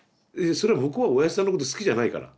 それ向こうはおやぢさんのこと好きじゃないから。